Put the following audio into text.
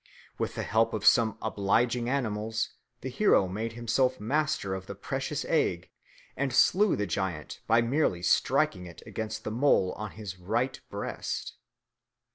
With the help of some obliging animals, the hero made himself master of the precious egg and slew the giant by merely striking it against the mole on his right breast.